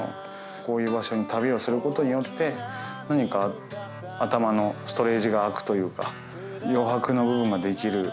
こういう場所に旅をすることによって何か頭のストレージが空くというか余白の部分ができる。